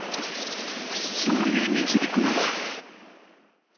勝利へ導くのは。